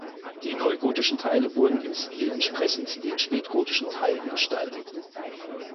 Die neugotischen Teile wurden im Stil entsprechend den spätgotischen Teilen gestaltet.